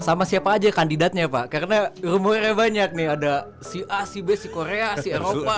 sama siapa aja kandidatnya pak karena rumornya banyak nih ada si a si b si korea si eropa